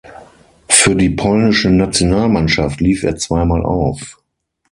Für die polnische Nationalmannschaft lief er zweimal auf.